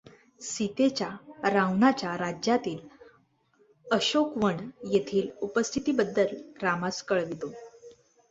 सीतेच्या रावणाच्या राज्यातील अशोकवन येथील उपस्थितीबद्दल रामास कळवितो.